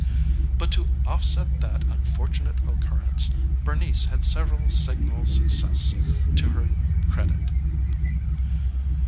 But to offset that unfortunate occurrence Bernice had several signal successes to her credit.